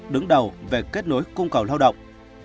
đứng đầu về kết nối cung cầu lao động